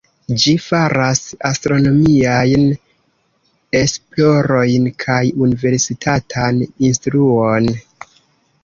Ĝi faras astronomiajn esplorojn kaj universitatan instruon.